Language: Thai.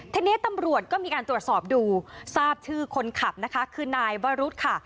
ทีนี้ตำรวจก็มีการตรวจสอบดูทราบชื่อคนขับนะคะคือนายวรุษค่ะ